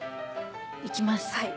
行きます。